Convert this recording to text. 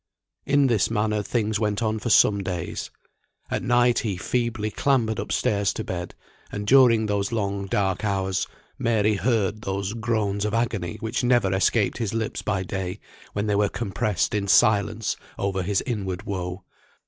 In this manner things went on for some days. At night he feebly clambered up stairs to bed; and during those long dark hours Mary heard those groans of agony which never escaped his lips by day, when they were compressed in silence over his inward woe.